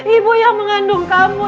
ibu yang mengandung kamu